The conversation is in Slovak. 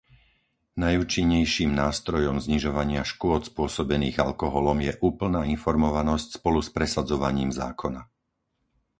Najúčinnejším nástrojom znižovania škôd spôsobených alkoholom je úplná informovanosť spolu s presadzovaním zákona.